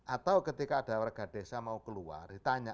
atau ketika ada warga desa mau keluar ditanya